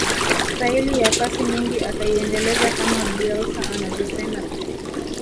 staili ya pasi nyingi akaiendeleza kama bielsa anavyopenda